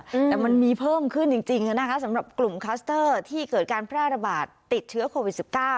อืมแต่มันมีเพิ่มขึ้นจริงจริงอ่ะนะคะสำหรับกลุ่มคัสเตอร์ที่เกิดการแพร่ระบาดติดเชื้อโควิดสิบเก้า